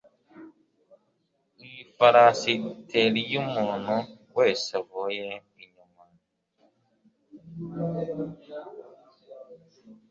Iyi farashi itera iyo umuntu wese avuye inyuma.